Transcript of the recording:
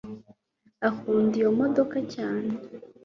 akunda iyo modoka cyane